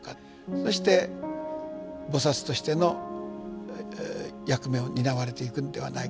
そして菩薩としての役目を担われていくんではないかと。